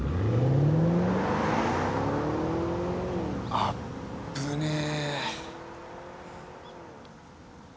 あっぶねえ。